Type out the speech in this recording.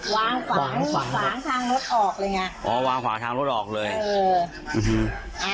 วางฝานทางรถออกเลยไงอ๋อวางฝานทางรถออกเลยเอออื้อฮือ